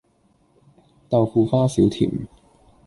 豆腐花少甜